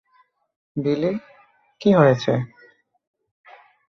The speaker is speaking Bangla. বিলি, কী হয়েছে?